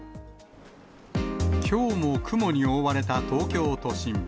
きょうも雲に覆われた東京都心。